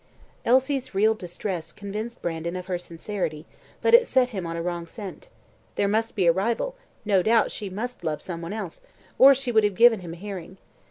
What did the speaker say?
Elsie's real distress convinced Mr. Brandon of her sincerity, but it set him on a wrong scent. There must be a rival; no doubt she must love some one else, or she would have given him a hearing.